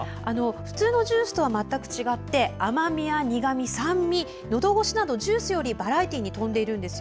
普通のジュースとは全く違って甘みや苦み、酸味のどごしなどジュースよりバラエティーに富んでいるんです。